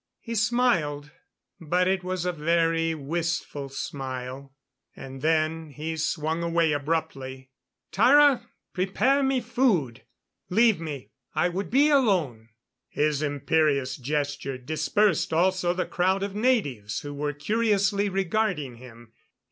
He smiled, but it was a very wistful smile. And then he swung away abruptly. "Tara! Prepare me food. Leave me I would be alone." His imperious gesture dispersed also the crowd of natives who were curiously regarding him.